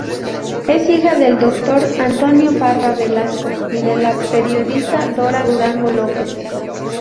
Es hija del doctor Antonio Parra Velasco y de la periodista Dora Durango López.